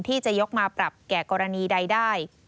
ที่จะยกมาปรับแก่กรณีใดได้